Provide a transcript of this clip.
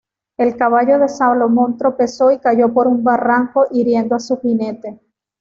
El caballo de Salomón tropezó y cayó por un barranco, hiriendo a su jinete.